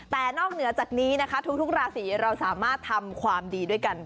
แต่นอกเหนือจากนี้นะคะทุกราศีเราสามารถทำความดีด้วยกัน